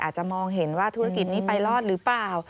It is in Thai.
อาจจะมองเห็นว่าธุรกิจนี้ไปรอดหรือเปล่า